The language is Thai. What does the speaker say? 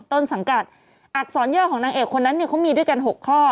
ต้นสังกัดอักษรย่อของนางเอกคนนั้นเนี่ยเขามีด้วยกัน๖ข้อ